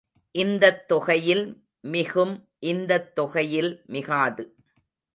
இந்தத் தொகையில் மிகும் இந்தத் தொகையில் மிகாது.